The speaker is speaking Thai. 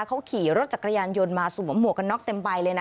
เขาขี่รถจักรยานยนต์มาสวมหมวกกันน็อกเต็มใบเลยนะ